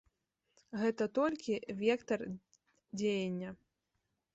Гэта толькі вектар дзеяння.